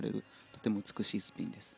とても美しいスピンです。